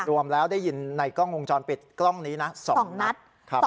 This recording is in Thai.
รวมแล้วได้ยินในกล้องวงจรปิดกล้องนี้นะ๒นัดครับ